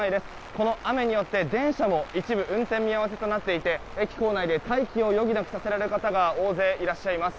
この雨によって電車が一部運転見合わせとなっていて駅構内で待機を余儀なくされる方が大勢いらっしゃいます。